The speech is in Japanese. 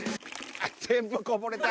全部こぼれた。